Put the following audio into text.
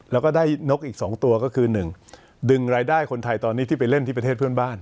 แล้วก็ได้นกอีก๒ตัวก็คือ๑ดึงรายได้คนไทยตอนนี้ที่ไปเล่นที่ประเทศเพื่อนบ้าน